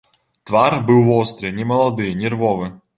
Твар быў востры, немалады, нервовы.